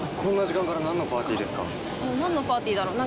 なんのパーティーだろう？